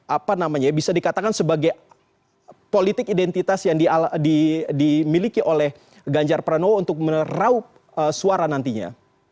apa namanya ya bisa dikatakan sebagai politik identitas yang dimiliki oleh ganjar pranowo untuk meraup suara nantinya